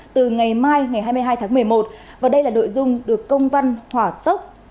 từ ngày mai ngày hai mươi hai tháng một mươi một và đây là nội dung được công văn thỏa tốc